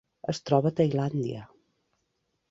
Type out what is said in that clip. Es troba a Tailàndia.